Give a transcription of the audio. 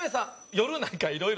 夜なんかいろいろ。